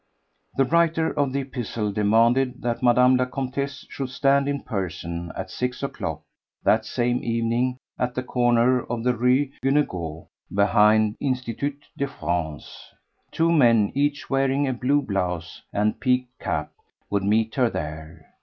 The writer of the epistle demanded that Mme. la Comtesse should stand in person at six o'clock that same evening at the corner of the Rue Guénégaud, behind the Institut de France. Two men, each wearing a blue blouse and peaked cap, would meet her there.